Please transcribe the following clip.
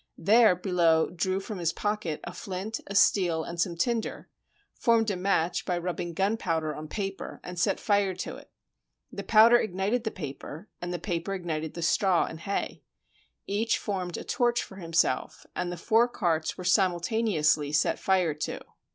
There Billot drew from his pocket a flint, a steel, and some tinder, formed a match by rub bing gunpowder on paper, and set fire to it. The pow der ignited the paper, and the paper ignited the straw and hay. Each formed a torch for himself, and the four carts were simultaneously set fire to.